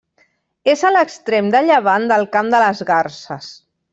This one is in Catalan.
És a l'extrem de llevant del Camp de les Garses.